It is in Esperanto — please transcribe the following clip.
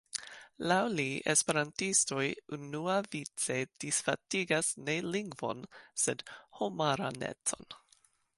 Laŭ li, esperantistoj unuavice disvastigas ne lingvon, sed homaranecon.